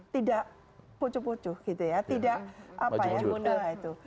tidak pocuh pocuh gitu ya tidak apa ya bunda itu